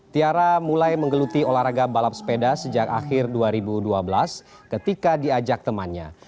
tiara mulai menggeluti olahraga balap sepeda sejak akhir dua ribu dua belas ketika diajak temannya